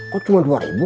kok cuma dua ribu